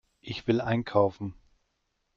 Ich will einkaufen.